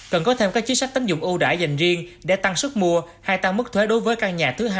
cần có thêm các chính sách tính dụng ưu đãi dành riêng để tăng sức mua hay tăng mức thuế đối với căn nhà thứ hai